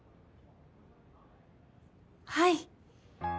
はい。